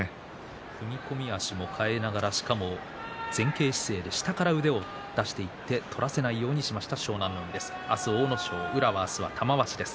踏み込みの足も変えながらしかも前傾姿勢で下から腕を出していって取らせないようにしました湘南乃海。